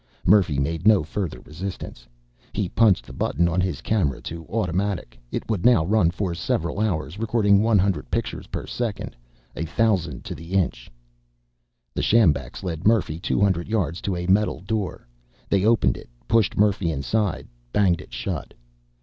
Murphy made no further resistance. He punched the button on his camera to automatic. It would now run for several hours, recording one hundred pictures per second, a thousand to the inch. The sjambaks led Murphy two hundred yards to a metal door. They opened it, pushed Murphy inside, banged it shut.